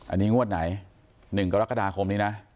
อันนี้งวดไหน๑กรกฎาคมนี้นะ